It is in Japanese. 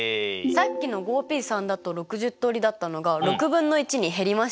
さっきのＰだと６０通りだったのが６分の１に減りましたね。